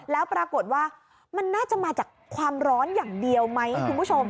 แล้วปรากฏว่ามันน่าจะมาจากความร้อนอย่างเดียวไหมคุณผู้ชม